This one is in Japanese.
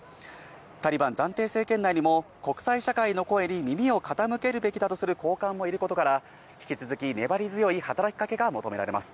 タリバン暫定政権内にも、国際社会の声に耳を傾けるべきだとする高官もいることから、引き続き粘り強い働きかけが求められます。